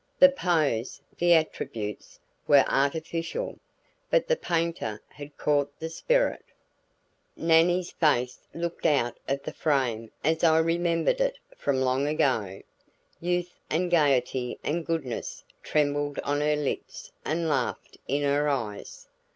The pose, the attributes, were artificial; but the painter had caught the spirit. Nannie's face looked out of the frame as I remembered it from long ago. Youth and gaiety and goodness trembled on her lips and laughed in her eyes.